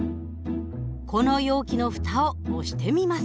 この容器の蓋を押してみます。